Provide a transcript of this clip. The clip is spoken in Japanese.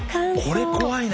これ怖いね。